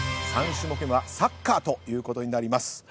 ３種目目はサッカーということになります。